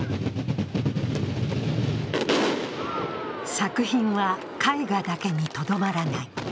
作品は、絵画だけにとどまらない。